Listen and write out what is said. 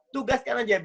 tugaskan aja bank